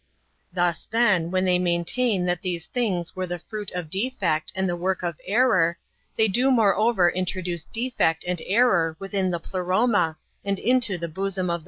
Thus, then, when they maintain that these things were the fruit of defect and the work of error, they do moreover introduce defect and error within the Pleroma, and into the bosom of the Father.